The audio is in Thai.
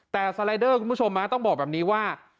แต่สไลเดอร์คุณผู้ชมต้องบอกแบบนี้ว่า